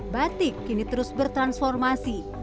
batik kini terus bertransformasi